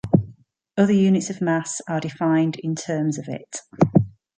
Other units of mass are defined in terms of it.